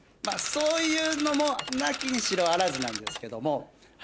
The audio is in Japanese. そういうのも無きにしもあらずなんですけども。